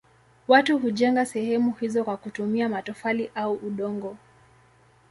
Watu hujenga sehemu hizo kwa kutumia matofali au udongo.